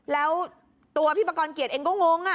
แล้วตัวพี่ปกรเกียรติเองก็งงอ่ะ